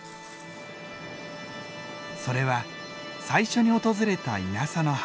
それは最初に訪れた稲佐の浜。